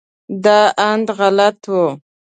دا اند غلط و.